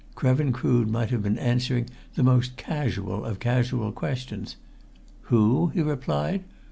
Krevin Crood might have been answering the most casual of casual questions. "Who?" he replied.